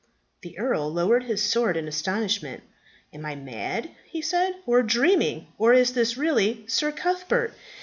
The earl lowered his sword in astonishment. "Am I mad," he said, "or dreaming, or is this really Sir Cuthbert?"